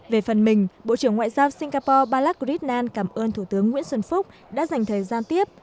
về phần mình bộ trưởng ngoại giao singapore balackrisnan cảm ơn thủ tướng nguyễn xuân phúc đã dành thời gian tiếp